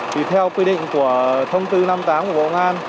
thì theo quy định của thông tư năm mươi tám của bộ ngoan